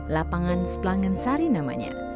lapangan sepelangen sari namanya